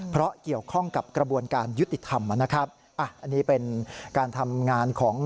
เพราะเกี่ยวข้องกับกระบวนการยุติธรรมนะครับอ่ะอันนี้เป็นการทำงานของ